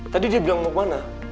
tadi dia bilang mau kemana